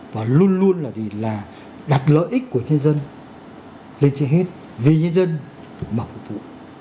và luôn luôn là gì là đặt lợi ích của nhân dân lên trên hết vì nhân dân được mà phục vụ